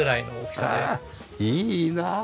いいなあ！